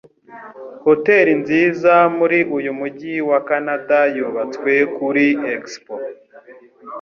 Hotel nziza muri uyu mujyi wa Kanada yubatswe kuri Expo